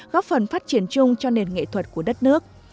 góp phần phát triển chung cho nền nghệ thuật của đất nước